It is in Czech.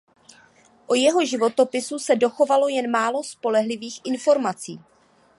O jeho životopisu se dochovalo jen málo spolehlivých informací.